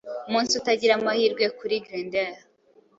umunsi utagira amahirwe kuri Grendel